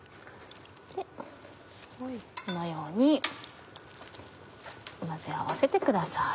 このように混ぜ合わせてください。